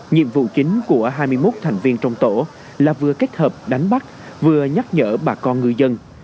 nhiệm vụ chính của hai mươi một thành viên trong tổ là vừa kết hợp đánh bắt vừa nhắc nhở bà con ngư dân